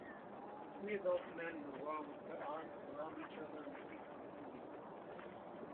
Three adult men in a row with their arms around each other and seem to be singing.